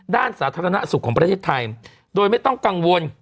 สาธารณสุขของประเทศไทยโดยไม่ต้องกังวล